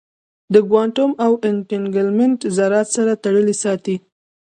د کوانټم انټنګلمنټ ذرات سره تړلي ساتي.